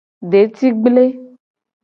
Detigble.